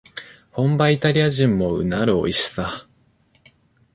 本場イタリア人もうなるおいしさ